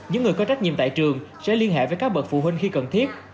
những người có trách nhiệm tại trường sẽ liên hệ với các bậc phụ huynh khi cần thiết